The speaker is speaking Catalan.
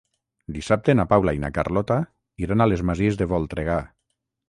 Dissabte na Paula i na Carlota iran a les Masies de Voltregà.